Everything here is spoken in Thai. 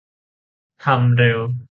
ทำเร็ว